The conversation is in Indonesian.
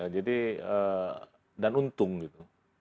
jadi dan untung gitu